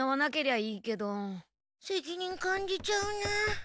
責任感じちゃうなあ。